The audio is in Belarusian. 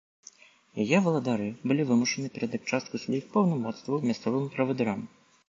Яе валадары былі вымушаны перадаць частку сваіх паўнамоцтваў мясцовым правадырам.